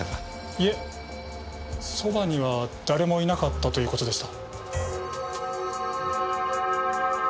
いえそばには誰もいなかったという事でした。